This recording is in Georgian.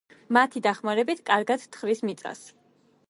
მათი დახმარებით კარგად თხრის მიწას.